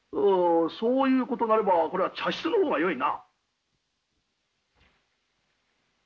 そういうことなればこれは茶室の方がよいな。